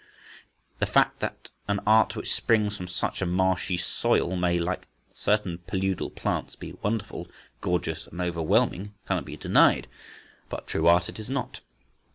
The fact that an art which springs from such a marshy soil may, like certain paludal plants, be "wonderful," "gorgeous," and "overwhelming," cannot be denied; but true art it is not.